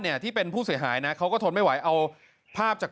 เนี่ยที่เป็นผู้เสียหายนะเขาก็ทนไม่ไหวเอาภาพจาก